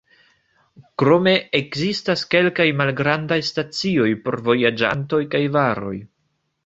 Krome ekzistas kelkaj malgrandaj stacioj por vojaĝantoj kaj varoj.